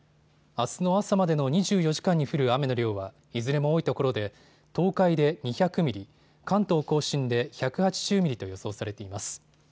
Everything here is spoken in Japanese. あすの朝までの２４時間に降る雨の量はいずれも多いところで東海で２００ミリ、関東甲信で１８０ミリと予想されています。